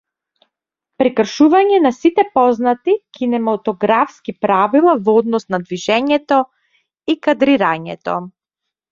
Прекршување на сите познати кинематографски правила во однос на движењето и кадрирањето.